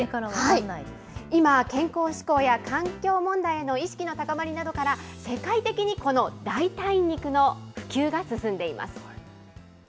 今、健康志向や、環境問題への意識の高まりなどから、世界的にこの代替肉の普及が進んでいます。